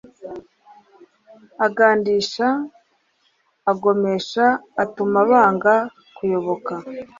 agandisha agomesha, atuma banga kuyoboka